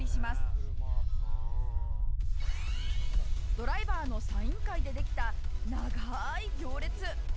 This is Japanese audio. ドライバーのサイン会でできた長い行列。